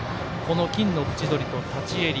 金の縁取りと、立ち襟